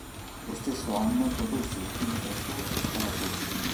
Lo stesso anno produsse il primo trattore escavatore.